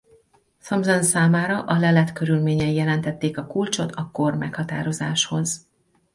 Thomsen számára a lelet körülményei jelentették a kulcsot a kormeghatározáshoz.